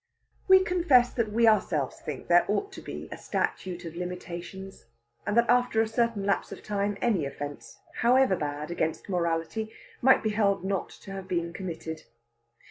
We confess that we ourselves think there ought to be a Statute of Limitations, and that after a certain lapse of time any offence, however bad, against morality might be held not to have been committed.